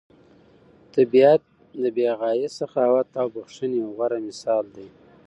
طبیعت د بې غایه سخاوت او بښنې یو غوره مثال دی.